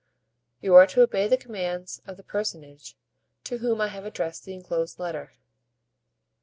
"You are to obey the commands of the personage to whom I have addressed the inclosed letter."